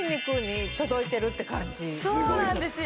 そうなんですよ